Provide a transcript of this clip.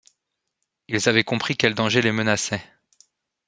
Ils avaient compris quel danger les menaçait